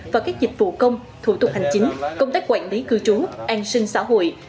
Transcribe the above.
và các dịch vụ công thủ tục hành chính công tác quản lý cư trú an sinh xã hội